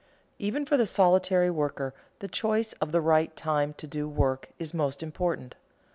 _ Even for the solitary worker the choice of the right time to do work is most important.